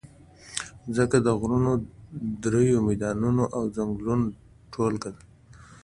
مځکه د غرونو، دریو، میدانونو او ځنګلونو ټولګه ده.